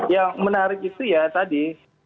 yang menarik itu ya tadi